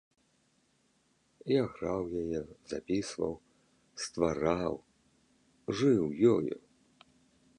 Я граў яе, запісваў, ствараў, жыў ёю.